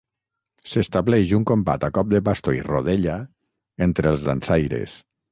S'estableix un combat a cop de bastó i rodella entre els dansaires.